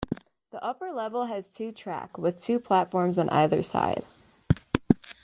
The upper level has two track with two platforms on either side.